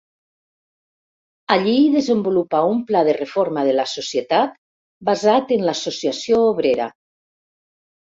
Allí hi desenvolupà un pla de reforma de la societat basat en l'associació obrera.